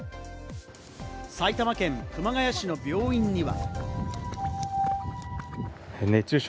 埼玉県熊谷市の病院には。